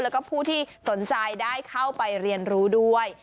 แล้วก็ผู้ที่สนใจได้เข้าไปเรียนรู้ด้วย